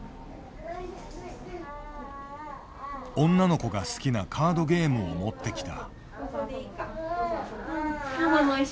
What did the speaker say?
女の子が好きなカードゲームを持ってきた。